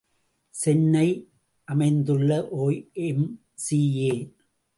சென்னை அமைந்துள்ள ஒய்.எம்.சி.ஏ.